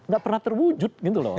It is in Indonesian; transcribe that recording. gak pernah terwujud gitu loh